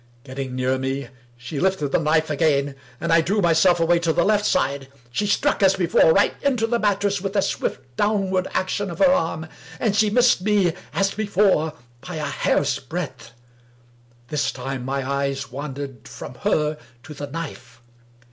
Getting near me, she lifted the knife again, and I drew myself away to the left side. She struck, as before right into the mattress, with a swift downward action of her arm ; and she missed me, as before; by a hair's breadth. This time my eyes wandered from her to the knife.